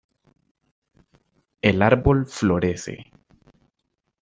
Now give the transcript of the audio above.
El árbol florece.